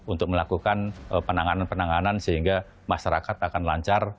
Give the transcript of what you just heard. untuk melakukan penanganan penanganan sehingga masyarakat akan lancar